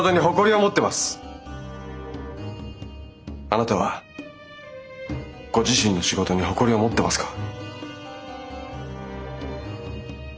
あなたはご自身の仕事に誇りを持ってますか？